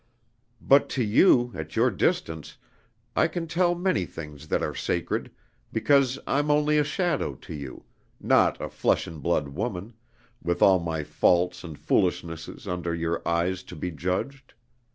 But to you at your distance I can tell many things that are sacred, because I'm only a shadow to you, not a flesh and blood woman, with all my faults and foolishnesses under your eyes to be judged.